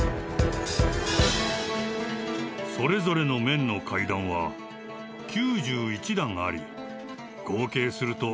それぞれの面の階段は９１段あり合計すると３６４段。